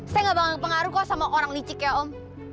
saya nggak bakal pengaruh kok sama orang licik ya om